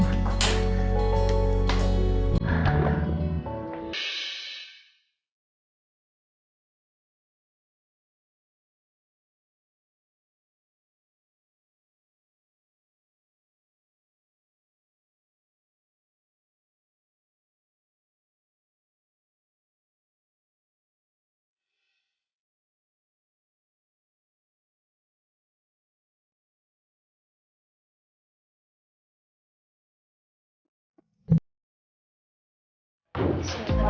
saya tak mau pak